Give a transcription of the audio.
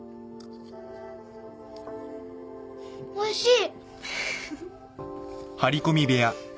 おいしい。